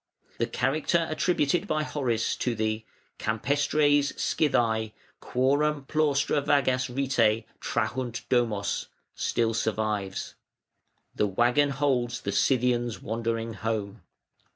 The character attributed by Horace to the Campestres Scythæ, Quorum plaustra vagas rite trahunt domos still survives. "The waggon holds the Scythian's wandering home".